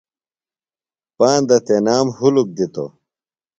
پاندہ تنام ہُلک دِتوۡ۔